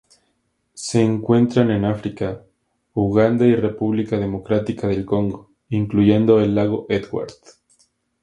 Se encuentran en África: Uganda y República Democrática del Congo, incluyendo el lago Edward.